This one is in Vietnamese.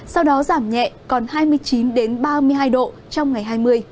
sau đó giảm nhẹ còn hai mươi chín ba mươi hai độ trong ngày hai mươi